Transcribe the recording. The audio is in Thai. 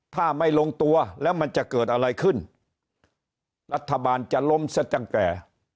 ถ้าไม่ลงตัวแล้วมันจะเกิดอะไรขึ้นรัฐบาลจะล้มซะตั้งแต่